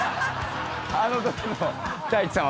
あのときの太一さん